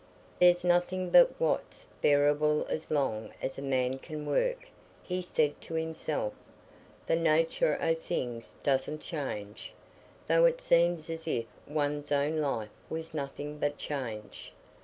"There's nothing but what's bearable as long as a man can work," he said to himself; "the natur o' things doesn't change, though it seems as if one's own life was nothing but change.